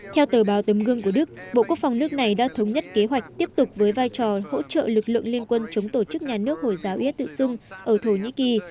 theo tờ báo tấm gương của đức bộ quốc phòng nước này đã thống nhất kế hoạch tiếp tục với vai trò hỗ trợ lực lượng liên quân chống tổ chức nhà nước hồi giáo is tự xưng ở thổ nhĩ kỳ